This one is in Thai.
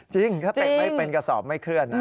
จริงถ้าเตะไม่เป็นกระสอบไม่เคลื่อนนะ